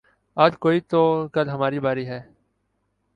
آج کوئی تو کل ہماری باری ہے